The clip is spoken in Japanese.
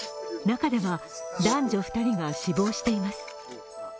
中では男女２人が死亡しています。